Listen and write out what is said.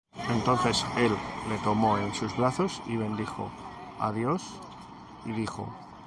Entonces él le tomó en sus brazos, y bendijo á Dios, y dijo: